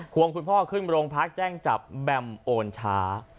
วงคุณพ่อขึ้นโรงพักแจ้งจับแบมโอนช้า